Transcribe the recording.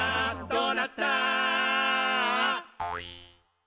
「どうなった？」